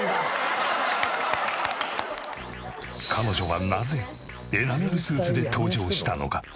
彼女はなぜエナメルスーツで登場したのか？